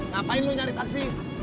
ngapain lu nyari taksi